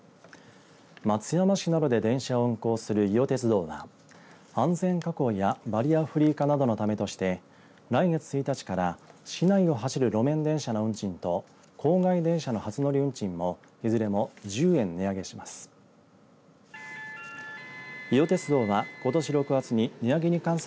松山市などで電車を運行する伊予鉄道が安全確保やバリアフリー化などのためとして来月１日から市内を走る路面電車の運賃と郊外電車の初乗り運賃をいずれも１０円値上げします。